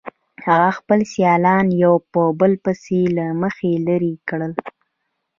هغه خپل سیالان یو په بل پسې له مخې لرې کړل